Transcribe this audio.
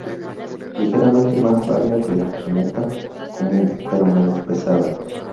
Ligeramente más larga que la gineta común pero menos pesada.